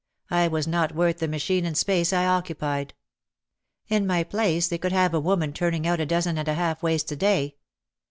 I was not worth the machine and space I occupied. In my place they could have a woman turning out a dozen and a half waists a day.